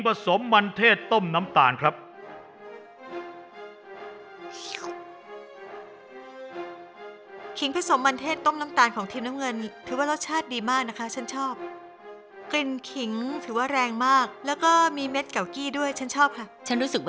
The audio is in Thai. ปนถึงไหนแล้วเปล่าต้องจ่ายจ่ายเลยนะเร็วไหนสิ